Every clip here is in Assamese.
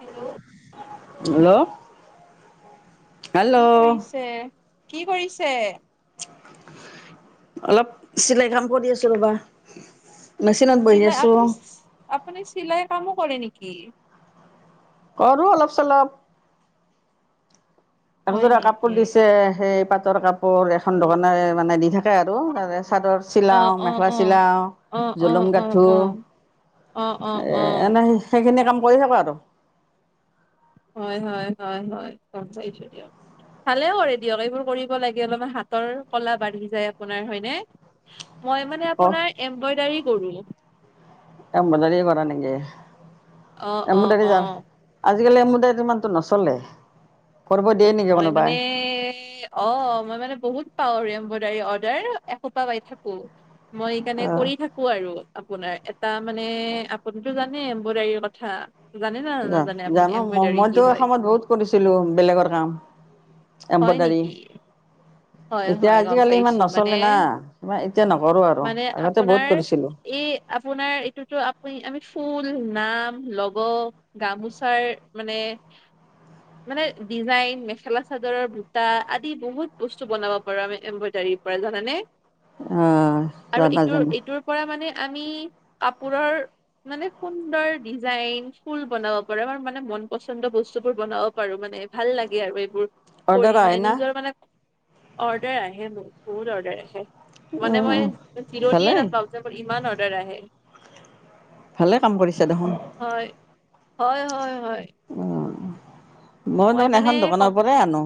হেল্ল' হেল্ল', হেল্ল' কি কৰিছে, কি কৰিছে? অলপ চিলাই কাম কৰি আছোঁ ৰ'বা মেচিনত বহি চিলাই আছো আপুনি চি-চি আপুনি চিলাইৰ কামো কৰে নেকি? কৰো অলপ চলপ হয় একযোৰা নেকি কাপোৰ দিছে সেই পাটৰ কাপোৰ এখন দোকানে মানে দি থাকে থাকে আৰু তাতে চাদৰ অ চিলাওঁ অ মেখেলা অ চিলাওঁ অ অ জুলুঙ অ গাঁথোঁ অ অ অ এ অ এনে সেইখিনি কাম কৰি থাকো আৰু হয়', - হয়', - হয়', - হয়', কাম কৰিছোঁ দিয়ক! ভালে কৰে দিয়ক, এইবোৰ কৰিব লাগে অলপমান হাতৰ ক'লা বাঢ়ি যায় আপোনাৰ হয়নে! মই মানে অ আপোনাৰ এম্ব্ৰইডাৰী কৰোঁ এম্ব্ৰইডাৰীয়ে কৰা নেকি? অ', - অ', এম্ব্ৰইডাৰী - যা অ', আজিকালি এম্ব্ৰইডাৰীটো ইমানটো নচলে কৰিব দিয়ে নেকি মই কোনোবাই মানেএএএএ অ', মই মানে বহুত পাওঁ এম্ব্ৰইডাৰী অৰ্ডাৰ এসোপা পাই থাকোঁ, মই সেইকাৰণে অ কৰি থাকো আৰু আপোনাৰ এটা মানে, আপুনিতো জানে এম্ব্ৰইডাৰীৰ কথা জানে না অ', নাজানে আপুনি -জানো মই এম্ব্ৰইডাৰী কি মইতো হয়? এসময়ত বহুত কৰিছিলোঁ বেলেগত কাম, হয় এম্ব্ৰইডাৰী নেকি? হয়, এতিয়া হয় গম আজিকালি ইমান পাইছোঁ মানে নচলে না, মই এতিয়া নকৰোঁ আৰু মানে আগতে বহুত আপোনাৰ কৰিছিলোঁ এই আপোনাৰ এইটোতো আপুনি, আমি ফুল, নাম, লোগো, গামোচাৰ মানে মানে ডিজাইন, ‌মেখেলা চাদৰৰ বুটা আদি বহুত বস্তু বনাব পাৰো আমি এম্ব্ৰইডাৰীৰ পৰা জানে! আহ আৰু জানা ইটো জানা ইটোৰ পৰা মানে আমি কাপোৰৰ মানে সুন্দৰ ডিজাইন, ফুল বনাব পাৰোঁ, আমাৰ মানে মন পছন্দ বস্তুবোৰ বনাব পাৰোঁ মানে মানে ভাল লাগে আৰু এইবোৰ অৰ্ডাৰ কৰি, আহে মানে না নিজৰ মানে অৰ্ডাৰ আহে বহুত অৰ্ডাৰ আহে মানে, উম। মই জিৰণি ভালেই নেপাওঁ যে মোৰ ইমান অৰ্ডাৰ আহে! ভালে কাম কৰিছে দেখোন হয়', - হয়', - হয়', - হয়',। মই তাৰমানে মানে এখন কম দোকানৰ পৰাই আনো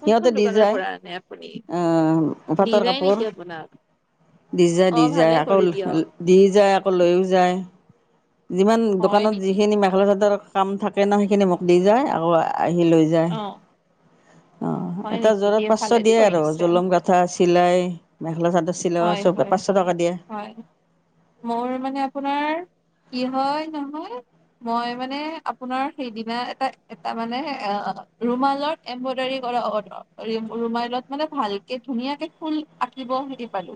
কোনখন দি দোকানৰ যায়, পৰা আনে আপুনি অ', দি পাটৰ যায় নেকি কাপোৰ আপোনাক দি যায়, অ দি ভালে যায়, আকৌ কৰি দিয়ক দি যায় আকৌ লৈও যায়। যিমান হয় দোকানত নেকি যিখিনি মেখেলা চাদৰ কাম থাকে ন সেইখিনি মোক দি যায় আকৌ আহি লৈ যায়। অ অ', - হয় এটা নেকি জোৰত পাঁচশ ভালেদি দিয়ে আৰু কৰিছে জুলুং গাথাঁ, চিলাই মেখেলা চাদৰ চিলোৱা হয় চব হয় পাঁচশ টকা দিয়ে হয় মোৰ মানে আপোনাৰ কি হয় নহয় মই মানে আপোনাৰ সেইদিনা এটা মানে ৰুমালত এম্ৰইডাৰি অ ৰুমাইলত মানে ভালকে ধুনীয়াকে ফুল আঁকিব হেৰি পালো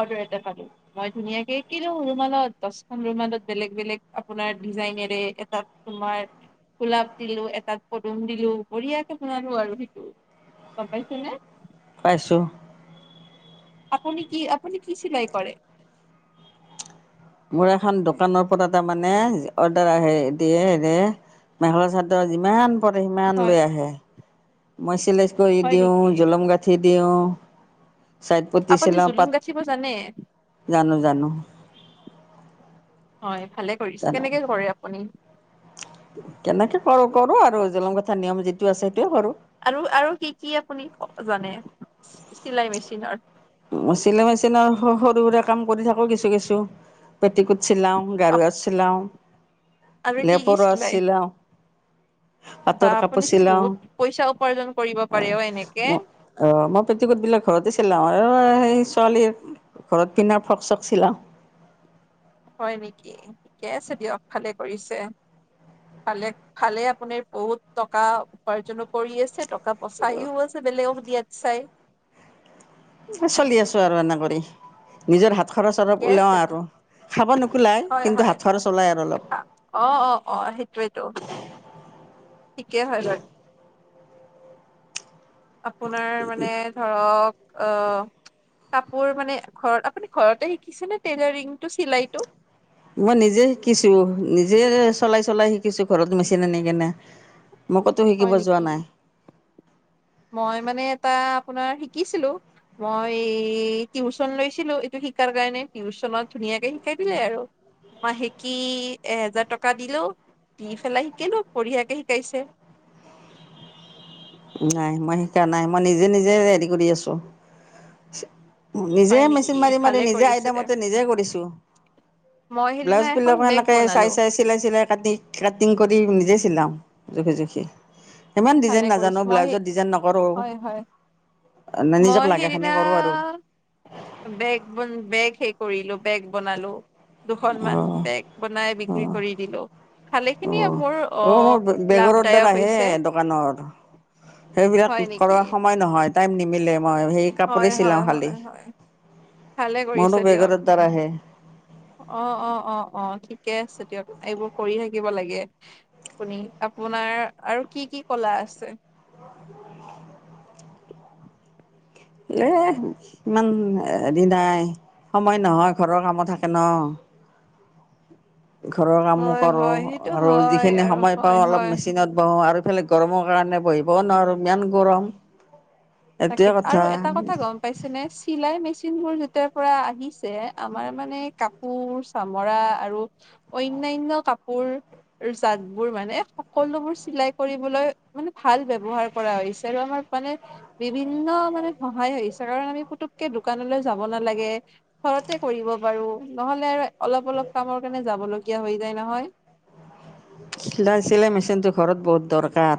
অৰ্ডাৰ এটা পালো মই ধুনীয়াকে কিনো ৰুমালত দচখন ৰুমালত বেলেগ বেলেগ আপোনাৰ ডিজাইনেৰে এটাত তোমাৰ গোলাপ দিলো এটাত পদুম দিলো বঢ়িয়াকে বনালো আৰু সেইটো গমপাই চেনে পাইছো আপুনি কি আপুনি কি চিলাই কৰে মোৰ এখন দোকানৰ পৰা এটা মানে অৰ্ডাৰ হে দিয়ে হেৰে মেখেলা চাদৰ যিমান সিমান হয় লৈ আহে মই চিলাই কৰি হয় দিও নেকি জলম গাঠিত দেওঁ চাইড আপুনি পতিছিলা জুলুম পাত গাঁঠিব জানে জানো জানো হয় ভালে কৰিছে জানো কেনেকে কৰে আপুনি কেনেকে কৰো কৰো আৰু জ্বলং কথা নিয়ম যিটো আছে সেইটোৱয়ে কৰো আৰু আৰু কি কি আপুনি জানে চিলাই মেচিনৰ চিলাই মেচিনৰ সৰু সুৰা কাম কৰি থাকো কিছু কিছু পেটিকুট চিলাওঁ আপ- গাৰা চিলাওঁ লেপৰা চিলাওঁ উ বা পাটৰ কাপোৰ আপুনিচোন চিলাওঁ বহুত পইচা উপাৰ্জন কৰিব পাৰে অ এনেকে গৈছিলো আৰু সেই ছোৱালীৰ ঘৰত পিন্ধাৰ ফ্ৰক চক চিলা হয় নেকি ঠিকে আছে দিয়ক ভালে কৰিছে ফালে ফালে আপুনি বহুত টকা উপাৰ্জনো কৰি আছে টকা কাপচাইিও গছে বেলেগক দিয়াত চাই চলি আছো আৰু এনে কৰি নিজৰ হাত খৰচ ঠিকে অৰপ আছে ওলাও দে। আৰু খাব নোকোলাই হয় কিন্তু হয় হাত খৰচ ওলাই আৰু অলপ অ অ অ সেইটোৱেটো ঠিকে হয় বাৰ আপোনাৰ মানে ধৰক আহ কাপোৰ মানে ঘৰত আপুনি ঘৰতে শিকিছেনে টেইলাৰিং চিলাইটো মই নিজে শিকিছো নিজে চলাই চলাই শিকিছো ঘৰত মেচিন আনি কিনে মোকতো শিকিব হয় যোৱা নেকি? নাই মই মানে এটা আপোনাৰ শিকিছিলো মই টিউচন লৈছিলো এইটো শিকাৰ কাৰণে টিউচনত ধুনীয়াকে শিকাই দিলে আৰু মই সেকি এহেজাৰ টকা দিলো দি পেলাই শিকিলো বঢ়িয়াকে শিকাইছে নাই মই শিকা নাই মই নিজে নিজে হেৰি কৰি আছো নিজে হয় মেচিন নেকি মাৰি মাৰি ভালে নিজে কৰিছে দে আইডামতে নিজে কৰিছো মই সেইদিনা ব্লাউজ এখন বিলাকো বেগ সেনেকে বনালো চাই চাই চিলাই চিলাই কাটিম কাটিং কৰি নিজে চিলাও জোখি জোখি ইমান ডিজাইন ভালে না কৰিছো মই হয় হয় নিজক মই লাগাখিনি সেইদিনা কৰোঁ আৰু বেগ বন বেগ শেষ কৰিলো বেগ বনালো দুখনমান অঁ বেগ বনাই বিক্ৰী অঁ কৰি দিলো ভালেখিনিয়ে অঁ মোৰ অ অঁ মোৰ বেগৰ অৰ্ডাৰ লাভদায়ক আহে হৈছে দোকানৰ সেইবিলাক হয় কৰা নেকি সময় নহয় টাইম নিমিলে মই হেই হয় কাপোৰে হয় চিলাও খালি হয় হয় ভালে মোৰো কৰিছে বেগৰ দিয়ক অৰ্ডাৰ আহে অ অ অ অ ঠিক ঠিকে আছে দিয়ক এইবোৰ কৰি থাকিব লাগে আপুনি আপোনাৰ আৰু কি কি কলা আছে [inaudible] এ ইমান হেৰি নাই সময় নহয় ঘৰৰ কামত থাকে ন [inaudible] ঘৰৰ কামো হয় কৰো হয় সেইটো আৰু হয় যিখিনি আৰু সময় হয় পাওঁ অলপ হয় মেচিনত বহো আৰু ইফালে গৰমৰ কাৰণে বহিবও নোৱাৰো ইমান গৰম তাকে এইটোৱে আৰু কথা এটা কথা গম পাইছে নে চিলাই মেচ বোৰ যেতিাৰ পৰা আহিছে আমাৰ মানে কাপোৰ চামৰা আৰু অয় অন্যান্য কাপোৰ আৰু জাতবোৰ মানে সকলোবোৰ চিলাই কৰিবলৈ মানে ভাল ব্যৱহাৰ কৰা হৈছে আৰু আমাৰ মানে বিভিন্ন মানে সহায়ছে কাৰণ আমি পুতুককে দোকানলৈ যাব নালাগে ঘৰতে কৰিব বাৰু নহলে আৰু অলপ অলপ কামৰ কাৰণে যাবলীয়া হৈ যায় নহয়। চিলাই চিলাই মেচিনটো ঘৰত বহুত দৰকাৰ।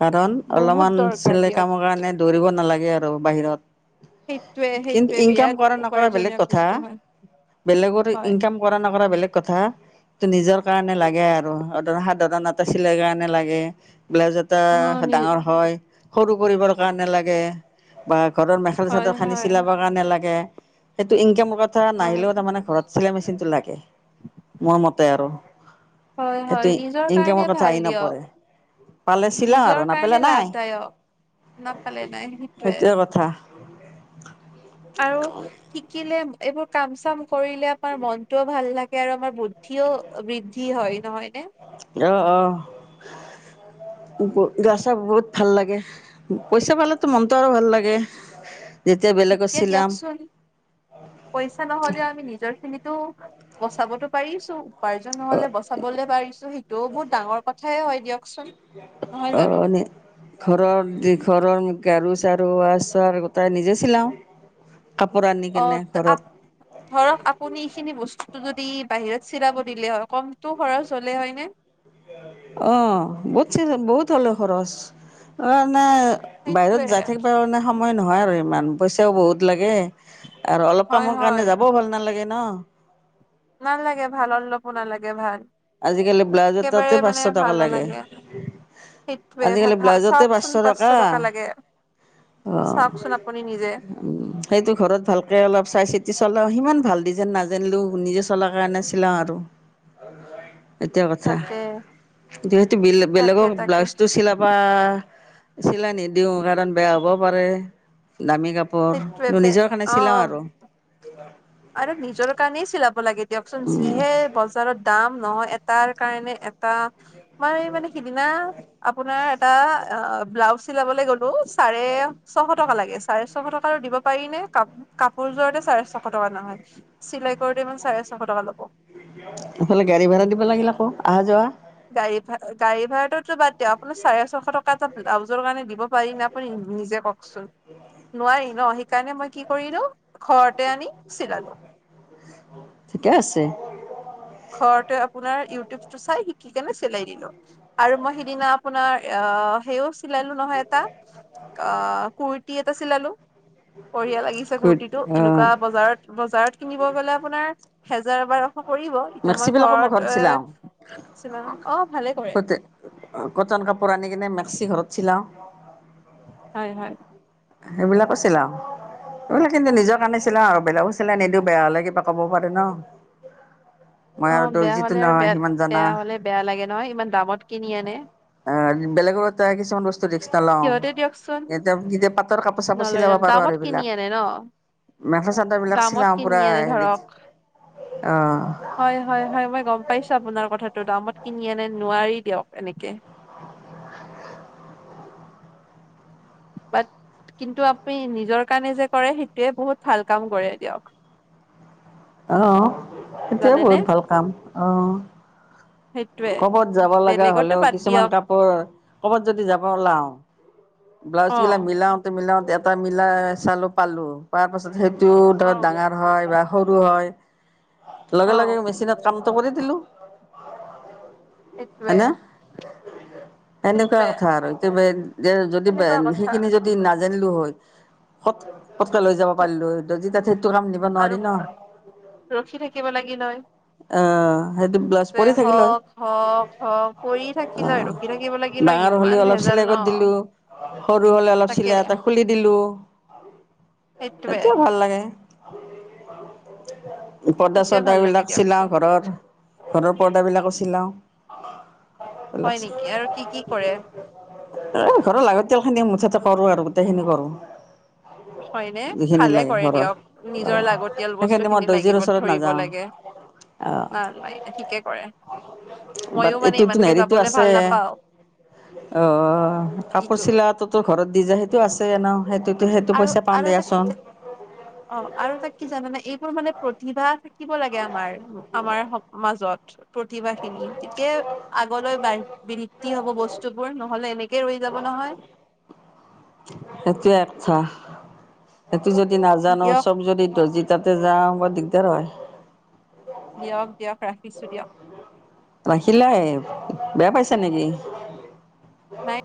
কাৰণ বহুত অলপমান দৰকাৰ চিলাই দিয়ক কামৰ কাৰণে দৌৰিব নালাগে আৰু বাহিৰত। সেইটোৱে কিন্তু সেইটোৱে ইনকাম বিৰাট কৰা নকৰা বেলেগ উপাৰ্জনীয় কথা। বস্তু হয় বেলেগৰ হয় ইনকাম কৰা নকৰা বেলেগ কথা, কিন্তু নিজৰ কাৰণে লাগে আৰু, সাধাৰণ এটা চিলাই কাৰণে লাগে ব্লাউজ এটা অ নি ডাঙৰ হয়, সৰু কৰিবৰ কাৰণে লাগে, বা ঘৰৰ মেখেলা হয় চাদৰ খানি হয় চিলাবৰ কাৰণে লাগে, সেইটো ইনকাম কথা হয়, নাহিলেও তাৰমানে ঘৰত চিলাই মেচিন টো লাগে, মোৰ মতে আৰু হয়, হয়, সেইটো নিজৰ কাৰণে ইনকামৰ কথা ভাল আহি দিয়ক, নপৰে। পালে চিলা নিজৰ আৰু কাৰণে নাপালে নাই লাভদায়ক। নাপালে নাই সেইটোয়ে কথা [unintelligible] আৰু, শিকিলে এইবোৰ কাম চাম কৰিলে আমাৰ মনতটোও ভাল লাগে আৰু আমাৰ বুদ্ধিও বৃদ্ধি হয় নহয় নে? অহ অহ [unintelligible] গাছা বহুত ভাল লাগে পইচা পালো মনটো আৰু ভাল লাগে যেতিয়া বেলেগত এতিয়া চিলাম দিয়কচোন পইচা নহলেও আমি নিজৰ খিনিতো বচাবতো পাৰিছো, উপাৰ্জন নহলে বচাবলৈ পাৰিছো সেইটোও বহুত ডাঙৰ কথাই হয় দিয়ক অ ঘৰৰ দিঘৰত ৰ গাৰু চাৰু আছে গোটাই নিজে চিলাও অ ধৰক আপুনি এইখিনি বস্তুটো যদি দি বাহিৰত চিলাব দিলে হয় কমটো খৰচ হ'লে হয় নে? অ বত বহুত হলে খৰচ অ মানে বাহিৰত সেইটোয়ে যাই থাকিব কাৰণে সময় নহয় আৰু ইমান পইচাও বহুত লাগে। আৰু অলপ হয় কামৰ হয় কাৰণে যাবও ভাল নালাগে ন। নালাগে ভাল অলপো নালাগে ভাল। আজিকালি ব্লাউজৰ একেবাৰে ততে মানে পাঁচশ টকা ভাল লাগে। নালাগে সেইটোৱে ভা- আজিকালি ভা- ব্লাউজতে পাঁচশ চাওকচোন টকা। লাগে অ চাওকচোন আপুনি নিজে উ সেইটো ঘৰত ভালকে অলপ চাই চি চলাওঁ সিমান ভাল ডিজাইন নাজানিলো নিজে চলাৰ কাৰণে চিলাও আৰু সেইটোয়ে কথা, তাকে যহেতু বেলে তাকে বেলেগক তাকে ব্লাউজটো চিলাবা চিলাই নিদিওঁ কাৰণ বেয়া হ'ব পাৰে। দামী কাপোৰ সেইটোৱে কিন্তু বে- নিজৰ কাৰণে অ চিলাওঁ অ আৰু। আৰু নিজৰ কাৰণেই চিলাব লাগে দিয়কচোন উম, যিহে বজাৰত দাম। নহয় এটাৰ কাৰণে এটা মাৰ এই মানে সিদিনা আপোনাৰ এটা অ ব্লাউজ চিলাবলৈ গলো চাৰে ছশ টকা লাগে চাৰে। ছশ টকা আৰু দিব পাৰি নে, কা কাপোৰযোৰতে চাৰে ছশ। ছশ টকা, নহয় চিলাই কৰোতে ইমান চাৰে ছশ টকা ল'ব। এইফালে গাড়ী ভাড়া দিব লাগিল আকৌ অহা যোৱা। গাড়ী ভাড়া গাড়ী ভাড়াটোতো বাদ দিয়ক, আপোনাৰ চাৰে ছয়শ টকা এটা ব্লাউজৰ কাৰণে দিব পাৰি নে আপুনি নিজে কওকচোন, নোৱাৰি ন সেইকাৰণে মই কি কৰিলো ঘৰতে আনি চিলালো। ঠিকে আছে ঘৰতে আপোনাৰ ইউটিউব টো চাই শিকি কিনে চিলাই দিলো, আৰু মই সিদিনা আপোনাৰ অ সেই চিলালো নহয় এটা, অ কুৰ্তি এটা চিলালো। বঢ়িয়া লাগিছে গুড কুৰ্তিটো অ', এনেকুৱা বজাৰত, বজাৰত কিনিব গ'লে আপোনাৰ হেজাৰ বাৰশ পৰিব। এতিয়া মই ঘৰত অ চিলালো অ ভালে কৰে। কটন কাপোৰ আনি কিনে মেক্সি ঘৰত চিলাওঁ। হয় হয়। সেইবিলাকো চিলাও। এই বোৰ কিন্তু নিজৰ কাৰণে চিলাও আৰু বেলেগৰ চিলাই নিদিও বেয়া হ'লে কিবা কব পাৰে ন। মই অ আৰু তোৰ বেয়া যিটো হ'লে আৰু নহয় বেয়া সিমান জানা বেয়া হ'লে বেয়া লাগে নহয় ইমান দামত কিনি আনে। বেলেগৰ এটা কিছুমান বস্তু ৰিক্স নলওঁ সিহঁতে দিয়কচোন এতিয়া কেটিয়াবা হতৰ কাপোৰ চাপোৰ নলয় চিলাব নলয় পাৰো আৰু দামত কিনি এইবিলাক আনে ন মেখেলা চাদৰ বিলাক দামত চিলাও কিনি পুৰা আনে হেৰি। ধৰক অঁ হয় হয় হয় মই গম পাইছো আপোনাৰ কথাটো দামত কিনি আনে নোৱাৰি দিয়ক এনেকে। পাত কিন্তু আপুনি নিজৰ কাৰণে যে কৰে সেইটোৱে বহুত ভাল কাম কৰে দিয়ক। অ সেইটোৱে জানেনে বহুত ভাল কাম অ। সেইটোৱে ক'বত যাব লগা বেলেগতো হলেও বাদ কিছুমান দিয়ক কাপোৰ ক'বাত যদি যাব ওলাও অ ব্লাউজ গিলা মিলাওতে মিলাওতে এটা মিলাই চালো পালো পাৰ পাছত সেই টো অ ধৰ ডাঙৰ হয় বা সৰু হয়। অ লগে লগে মেচিনত কামটো কৰি দিলো। সেইটোৱে হয়নে এনেকুৱা সেইটোৱে কথা আৰু এ যদি সেনেকুৱা কথা সেইখিনি যদি নাজানিলো হয়। কত পতকে লৈ যাব কি পাৰিলো হয় দৰ্জী তাতে সেইটো কাম নিব আৰু নোৱাৰি ন? ৰখি থাকিব লাগিল হয় অহ সেইটো ব্লাউচ পৰি থাকিল হয়। অ খ পৰি থাকিল অ হয় ৰখি থাকিব লাগিলে হয় ডাঙৰ হ'লে ইমান অলপ ভেজাল চিলাই ন। কৰি দিলো সৰু হলে অলপ তাকে চিলাই এটা খুলি দিলো। টো সেইটোৱে ভাল লাগে। পৰ্দা সেইটোৱে চদা ভাল লাগে বিলাক দিয়কচোন চিলাও ঘৰৰ ঘৰৰ পৰ্দা বিলাকো চিলাও হয় নেকি আৰু কি কি কৰে এ ঘৰ লাগতিয়ালখিনি মুঠতে কৰো আৰু গোটেই খিনি কৰো। হয়নে? ভালে কৰে দিয়ক নিজৰ লাগতিয়াল বস্তু সেইখিনি মই খিনি দৰ্জিৰ লাগিব ওচৰত ধৰিব নাযাওঁ লাগে। নাই নাই ঠিকে কৰে। বাট মইও মানে এইটোতো ইমানকে হেৰিটো যাবলৈ আছে ভাল নাপাও। অ কাপোৰ ইটো চিলাটোটো ঘৰত দি যায় সেইটো আছে ন সেইটো আৰু পইচা পাওঁ আৰু এটা কি দিয়াচোন অ আৰু এটা কি জানানা এইবোৰ মানে প্ৰতিভা থাকিব লাগে আমাৰ আমাৰ মাজত প্ৰতিভা খিনি তেতিয়া আগলৈ বাঢ়ি বৃতি হ'ব বস্তুবোৰ নহলে এনেকে একে ৰৈ যাব নহয়। এইটো যদি নাজানো দিয়ক চব যদি দজী তাতে যাওঁ বৰ দিগদাৰ হয়। দিয়ক দিয়ক ৰাখিছো দিয়ক। বাখিলা এ বেয়া পাইছা নেকি নাই